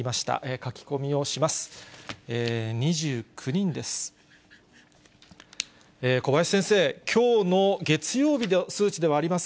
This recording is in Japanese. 書き込みをします。